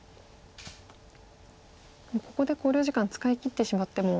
もうここで考慮時間使いきってしまっても。